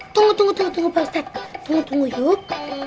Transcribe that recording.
tunggu tunggu tunggu pak ustadz tunggu tunggu yuk